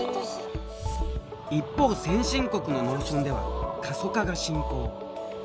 一方先進国の農村では過疎化が進行。